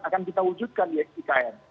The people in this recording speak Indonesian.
akan kita wujudkan di ikn